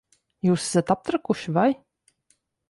Jūs esat aptrakuši, vai?